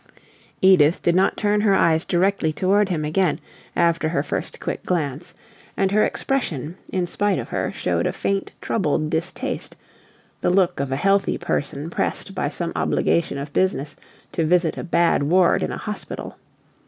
Edith did not turn her eyes directly toward him again, after her first quick glance; and her expression, in spite of her, showed a faint, troubled distaste, the look of a healthy person pressed by some obligation of business to visit a "bad" ward in a hospital.